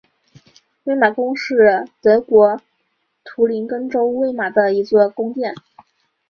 魏玛宫是德国图林根州魏玛的一座宫殿。